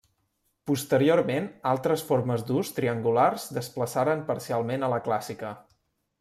Posteriorment, altres formes d'ús, triangulars desplaçaren parcialment a la clàssica.